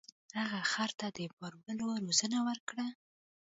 هغه خر ته د بار وړلو روزنه ورکړه.